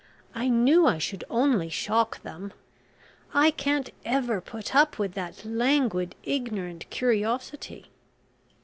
"I knew I should only shock them. I can't ever put up with that languid ignorant curiosity."